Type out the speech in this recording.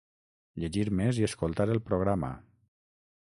Llegir més i escoltar el programa….